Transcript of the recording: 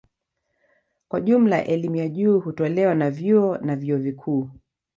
Kwa jumla elimu ya juu hutolewa na vyuo na vyuo vikuu.